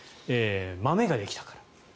まめができたから。